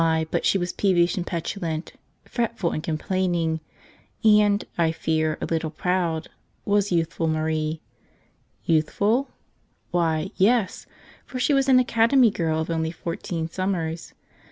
BUT she was peevish and petulant (fret \\fm ful and complaining) and, I fear, a little I y I proud, was youthful Marie. Youthful? Why, I yes, for she was an Academy girl of only • fourteen summers.